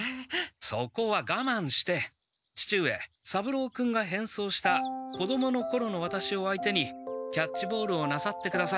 そこはがまんして父上三郎君がへんそうした子どものころのワタシを相手にキャッチボールをなさってください。